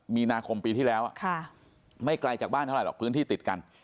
มีนาคมปีที่แล้วไม่ไกลจากบ้านเท่าไหรอกพื้นที่ติดกัน